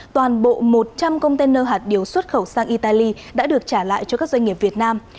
toàn bộ một trăm linh container hạt điều xuất khẩu sang italy đã được trả lại cho các doanh nghiệp việt nam